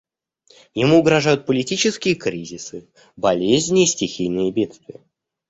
Ему угрожают политические кризисы, болезни и стихийные бедствия.